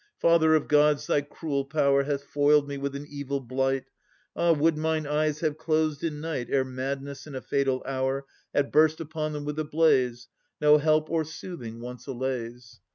Father of Gods! thy cruel power Hath foiled me with an evil blight. Ah! would mine eyes had closed in night Ere madness in a fatal hour Had burst upon them with a blaze, No help or soothing once allays!